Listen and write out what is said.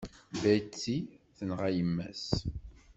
Betty tenɣa yemma-s.